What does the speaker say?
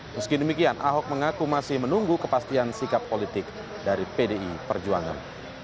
meski demikian ahok mengaku masih menunggu kepastian sikap politik dari pdi perjuangan